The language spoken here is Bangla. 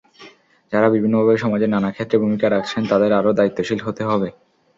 যাঁরা বিভিন্নভাবে সমাজের নানা ক্ষেত্রে ভূমিকা রাখছেন, তাঁদের আরও দায়িত্বশীল হতে হবে।